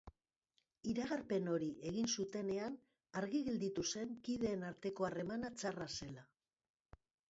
Iragarpen hori egin zutenean argi gelditu zen kideen arteko harremana txarra zela.